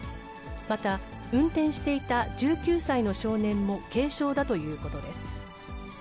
また、運転していた１９歳の少年も軽傷だということです。